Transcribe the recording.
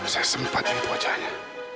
saya sempat liat wajahnya